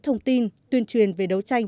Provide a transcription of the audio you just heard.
thông tin tuyên truyền về đấu tranh